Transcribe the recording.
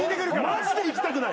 マジで行きたくない。